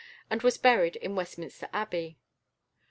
and was buried in Westminster Abbey.